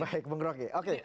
baik menggerokin oke